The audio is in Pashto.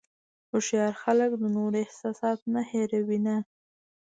هوښیار خلک د نورو احساسات نه هیروي نه.